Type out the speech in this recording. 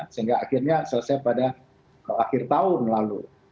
sehingga akhirnya selesai pada akhir tahun lalu